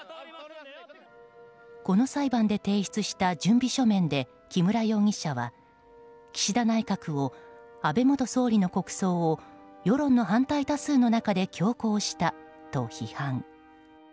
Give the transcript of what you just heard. この裁判で提出した準備書面で木村容疑者は、岸田内閣を安倍元総理の国葬を世論の反対多数の中で強行したと批判。